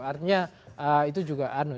artinya itu juga aneh